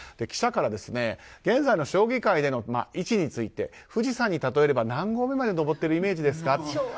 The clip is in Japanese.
記者から現在の将棋界での位置について富士山に例えれば何合目まで登ってるイメージですか。